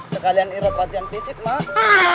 sekalian irot latihan fisik mak